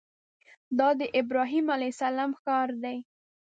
دا د ابراهیم علیه السلام ښار دی.